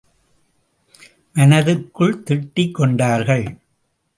மனதிற்குள் திட்டிக் கொண்டார்கள்.